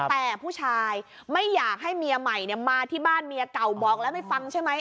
แต่ผู้ชายไม่อยากให้เมียใหม่มาที่บ้านเมียเก่าบอกแล้วไม่ฟังใช่ไหม